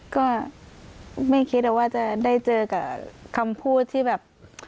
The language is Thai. ก็ไม่คิดว่าจะได้เจอกับคำพูดที่แบบ